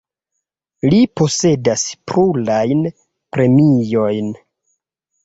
Li posedas plurajn premiojn.